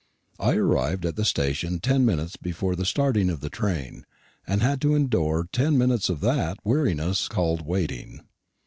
I arrived at the station ten minutes before the starting of the train, and had to endure ten minutes of that weariness called waiting.